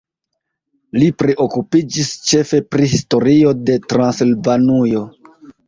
Li priokupiĝis ĉefe pri historio de Transilvanujo.